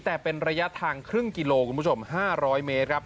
แต่เป็นระยะทางครึ่งกิโลกรูมผู้ชมห้าร้อยเมตรครับ